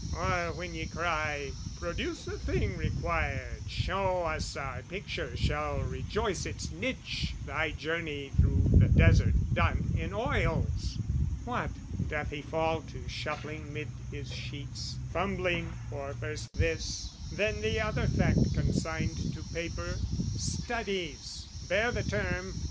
Or when ye cry "Produce the thing required, "Show us our picture shall rejoice its niche, "Thy Journey through the Desert done in oils!" What, doth he fall to shuffling 'mid his sheets, Fumbling for first this, then the other fact Consigned to paper, "studies," bear the term!